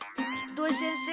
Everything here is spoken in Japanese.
土井先生